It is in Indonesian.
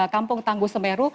kampung tangguh semeru